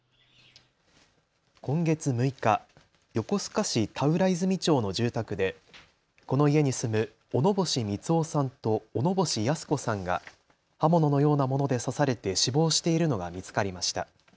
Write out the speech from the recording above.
今月６日、横須賀市田浦泉町の住宅でこの家に住む小野星三男さんと小野星泰子さんが刃物のようなもので刺されて死亡しているのが見つかりました。